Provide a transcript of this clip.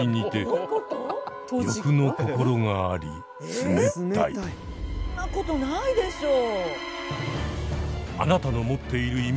そんなことないでしょう！